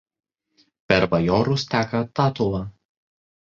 Per Bajorus teka Tatula.